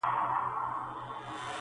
ګوندي دا خرابه خونه مو ګلشن شي،